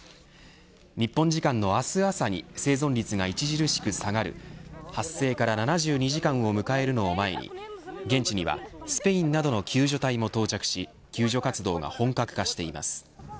日本時間の明日朝に生存率が著しく下がる発生から７２時間を迎えるのを前に現地にはスペインなどの救助隊も到着し救助活動が本格化しています。